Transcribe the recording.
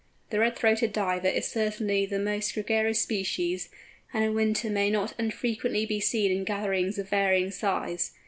The Red throated Diver is certainly the most gregarious species, and in winter may not unfrequently be seen in gatherings of varying size.